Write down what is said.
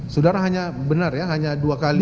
saudara hanya benar ya hanya dua kali